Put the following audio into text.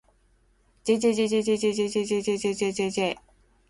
jjjjjjjjjjjjjjjjj